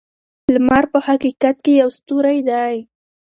لمر په حقیقت کې یو ستوری دی.